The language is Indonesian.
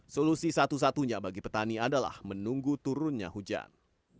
solusi satu satunya bagi petani adalah menunggu turunnya hujan